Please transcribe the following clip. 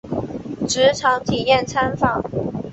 职场体验参访